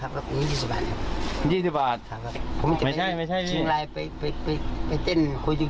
ไปหุ้มข้าวให้เมียกิน